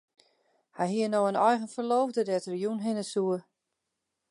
Hy hie no in eigen ferloofde dêr't er jûn hinne soe.